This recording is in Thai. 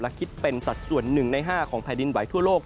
และคิดเป็นสัดส่วน๑ใน๕ของแผ่นดินไหวทั่วโลก